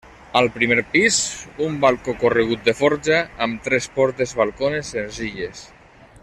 Al primer pis, un balcó corregut de forja amb tres portes balcones senzilles.